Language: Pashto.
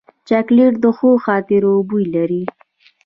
چاکلېټ د ښو خاطرو بوی لري.